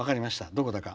どこだか。